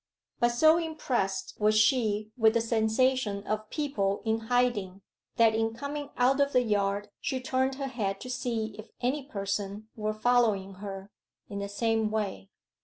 But so impressed was she with the sensation of people in hiding, that in coming out of the yard she turned her head to see if any person were following her, in the same way.